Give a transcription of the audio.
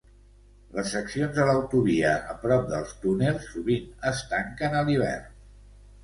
Les seccions de l'autovia a prop dels túnels sovint es tanquen a l'hivern.